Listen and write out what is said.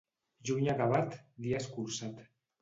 Juny acabat, dia escurçat.